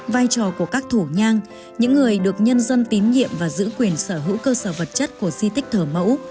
vai trò của các thủ nhang những người được nhân dân tín nhiệm và giữ quyền sở hữu cơ sở vật chất của di tích thờ mẫu